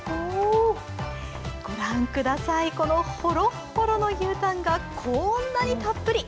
御覧ください、このホロッホロの牛タンがこんなにたっぷり！